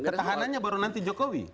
tetahanannya baru nanti jokowi